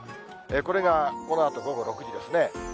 これがこのあと午後６時ですね。